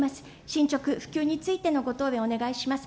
進捗、普及についてのご答弁をお願いします。